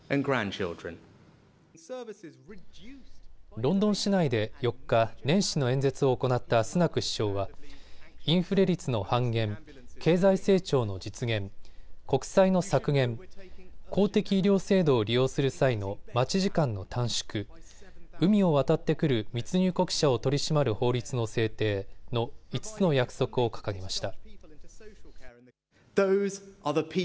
ロンドン市内で４日、年始の演説を行ったスナク首相はインフレ率の半減、経済成長の実現、国債の削減、公的医療制度を利用する際の待ち時間の短縮、海を渡ってくる密入国者を取り締まる法律の制定の５つの約束を掲げました。